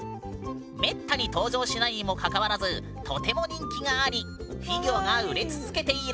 めったに登場しないにもかかわらずとても人気がありフィギュアが売れ続けている。